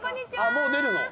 もう出るの？